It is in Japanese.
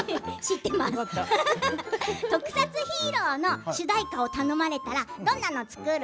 特撮ヒーローの主題歌を頼まれたらどんなものを作る？